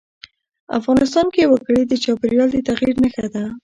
افغانستان کې وګړي د چاپېریال د تغیر نښه ده.